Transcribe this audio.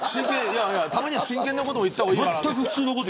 たまには真剣なことを言った方がいいかなと。